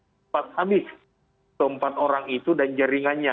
sempat habis ke empat orang itu dan jaringannya